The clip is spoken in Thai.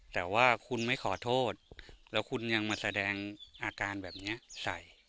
แต่ว่าคุณไม่ขอโทษแล้วคุณยังมาแสดงอาการแบบนี้ใส่